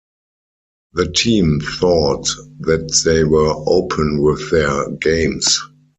The team thought that they were "open" with their games.